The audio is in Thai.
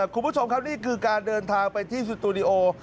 คุณผู้ชมครับนี่คือการเดินทางไปที่สตูดิโอ